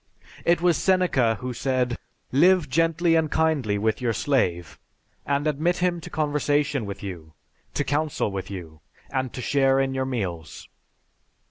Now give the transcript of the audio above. It was Seneca who said, "Live gently and kindly with your slave, and admit him to conversation with you, to council with you, and to share in your meals."